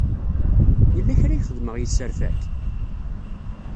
Yella kra i xedmeɣ yesserfa-k?